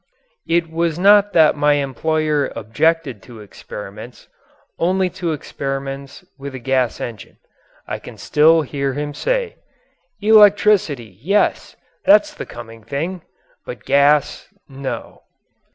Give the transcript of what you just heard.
It was not that my employer objected to experiments only to experiments with a gas engine. I can still hear him say: "Electricity, yes, that's the coming thing. But gas no."